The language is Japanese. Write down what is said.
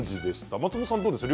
松本さんどうですか？